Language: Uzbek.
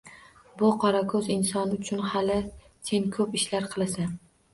Bu qorakoʻz insonlar uchun hali sen koʻp ishlar qilasan.